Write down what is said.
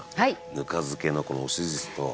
ぬか漬けのこの押し寿司と。